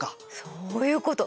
そういうこと！